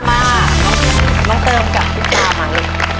มาน้องเติมกับพี่จ้ามาเลย